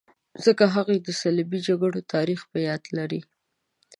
ځکه هغوی د صلیبي جګړو تاریخ په یاد لري.